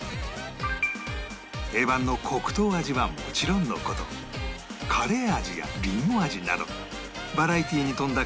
定番の黒糖味はもちろんの事カレー味やリンゴ味などバラエティーに富んだか